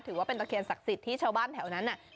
ถือว่าเป็นตะเคียนศักดิ์สิทธิ์ที่ชาวบ้านแถวนั้นน่ะ